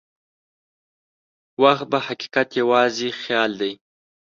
وخت په حقیقت کې یوازې یو خیال دی.